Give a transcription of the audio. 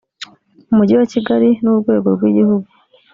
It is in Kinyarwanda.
umujyi wa kigali ni urwego rw’igihugu